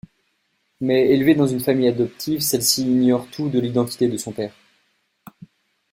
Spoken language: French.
Mais, élevée dans une famille adoptive, celle-ci ignore tout de l'identité de son père.